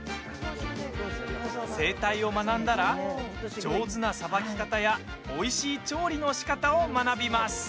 生態を学んだら上手なさばき方やおいしい調理のしかたを学びます。